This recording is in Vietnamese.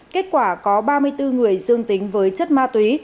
kết quả có ba mươi bốn người dương tính với chất ma túy